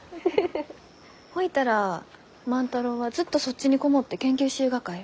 ほいたら万太郎はずっとそっちに籠もって研究しゆうがかえ？